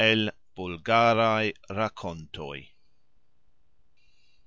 El "Bulgaraj Rakontoj".